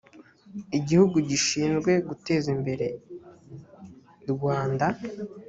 igihugu gishinzwe guteza imbere rwanda